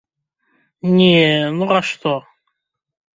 Не, ну а што?